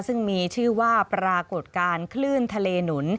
ซึ่งมีชื่อว่าปรากฏการณ์คลื่นทะเลหนุน